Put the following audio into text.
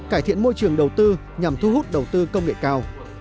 cải thiện môi trường đầu tư nhằm thu hút đầu tư công nghệ cao